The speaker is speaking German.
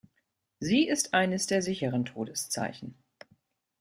Sie ist eines der sicheren Todeszeichen.